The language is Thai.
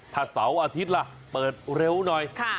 ถ้าเสาร์อาทิตย์ล่ะเปิดเร็วหน่อย